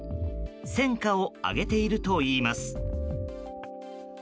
戦果を挙げているといいます。